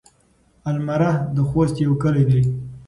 المره د خوست يو کلی دی.